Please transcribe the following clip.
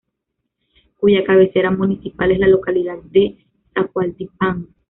Cuya cabecera municipal es la localidad de Zacualtipán.